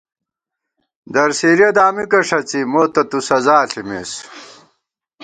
درسېرِیہ دامِکہ ݭڅی مو تہ تُو سزا ݪِمېس